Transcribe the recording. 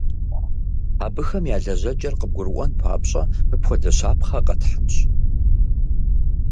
Абыхэм я лэжьэкӏэр къыбгурыӏуэн папщӏэ, мыпхуэдэ щапхъэ къэтхьынщ.